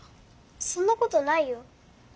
そんなことないよ。